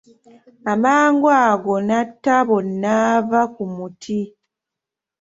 Amangu ago Natabo naava ku muti.